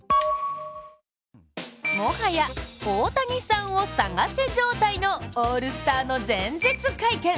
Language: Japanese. もはや大谷さんを探す状態のオールスターの前日会見。